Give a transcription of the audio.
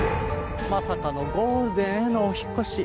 まさかのゴールデンへのお引っ越し。